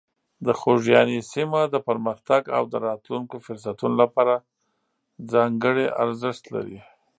د خوږیاڼي سیمه د پرمختګ او د راتلونکو فرصتونو لپاره ځانګړې ارزښت لري.